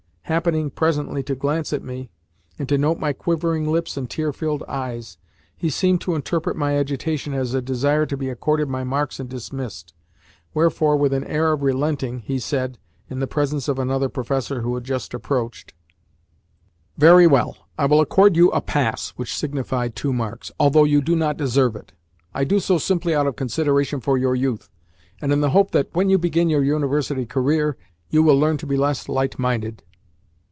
Happening, presently, to glance at me, and to note my quivering lips and tear filled eyes, he seemed to interpret my agitation as a desire to be accorded my marks and dismissed: wherefore, with an air of relenting, he said (in the presence of another professor who had just approached): "Very well; I will accord you a 'pass'" (which signified two marks), "although you do not deserve it. I do so simply out of consideration for your youth, and in the hope that, when you begin your University career, you will learn to be less light minded."